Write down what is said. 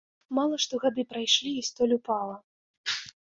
Мала што гады прайшлі і столь упала.